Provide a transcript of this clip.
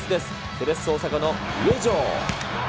セレッソ大阪の上門。